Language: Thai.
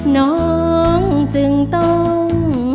น้องจึงต้องร้อง